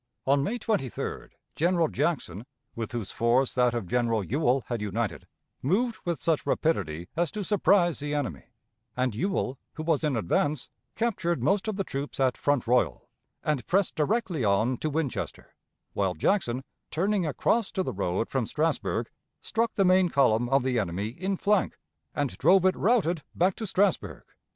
On May 23d, General Jackson, with whose force that of General Ewell had united, moved with such rapidity as to surprise the enemy, and Ewell, who was in advance, captured most of the troops at Front Royal, and pressed directly on to Winchester, while Jackson, turning across to the road from Strasburg, struck the main column of the enemy in flank and drove it routed back to Strasburg.